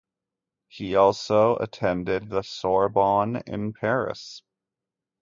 He also attended the Sorbonne in Paris.